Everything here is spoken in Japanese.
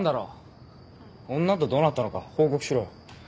女とどうなったのか報告しろよ。